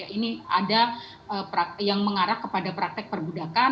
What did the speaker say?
ini ada yang mengarah kepada praktek perbudakan